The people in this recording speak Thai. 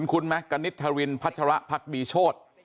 คุ้นมั้ยกณิษฐรินพัชระพักบีโชฎ